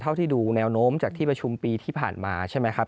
เท่าที่ดูแนวโน้มจากที่ประชุมปีที่ผ่านมาใช่ไหมครับ